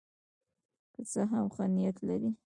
که څه هم ښه نیت لري.